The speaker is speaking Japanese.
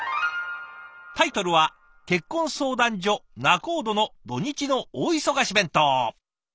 タイトルは「結婚相談所仲人の土日の大忙し弁当」。